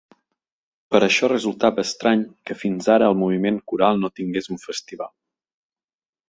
Per això resultava estrany que fins ara el moviment coral no tingués un festival.